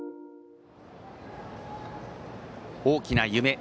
大きな夢。